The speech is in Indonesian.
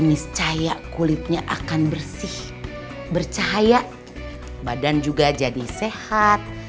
niscaya kulitnya akan bersih bercahaya badan juga jadi sehat